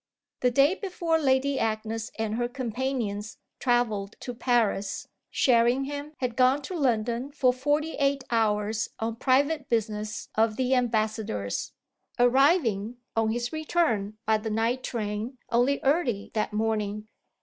The day before Lady Agnes and her companions travelled to Paris Sherringham had gone to London for forty eight hours on private business of the ambassador's, arriving, on his return by the night train, only early that morning.